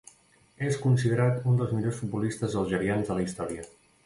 És considerat un dels millors futbolistes algerians de la història.